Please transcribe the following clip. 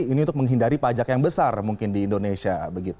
ini untuk menghindari pajak yang besar mungkin di indonesia